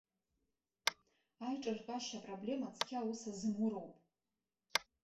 Аиҿартәышьа апроблема цқьа аус азымуроуп.